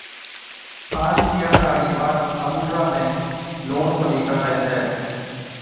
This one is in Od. آج ڏِيها تاڻِين واهچ سمُنڊا ۾ لُوڻ پلِي ڪاڍَي ڇَي۔